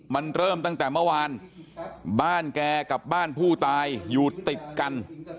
มันเริ่มตั้งแต่เมื่อวานบ้านแกกับบ้านผู้ตายอยู่ติดกัน